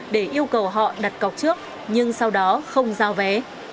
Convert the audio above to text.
để yêu cầu họ đặt cọc trước nhưng sau đó không giao vé